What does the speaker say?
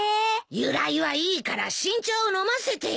由来はいいから新茶を飲ませてよ。